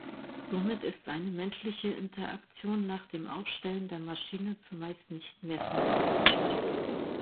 Somit ist eine menschliche Interaktion nach dem Aufstellen der Maschine zumeist nicht mehr vonnöten.